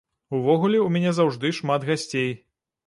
Увогуле ў мяне заўжды шмат гасцей.